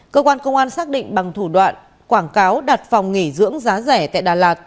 cơ quan công an xác định bằng thủ đoạn quảng cáo đặt phòng nghỉ dưỡng giá rẻ tại đà lạt